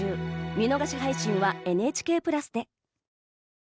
見逃し配信はＮＨＫプラスで。